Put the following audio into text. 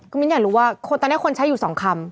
มิ้นอยากรู้ว่าคนตอนนี้คนใช้อยู่๒คำ